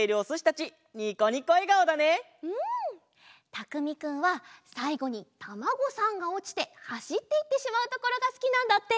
たくみくんはさいごにタマゴさんがおちてはしっていってしまうところがすきなんだって！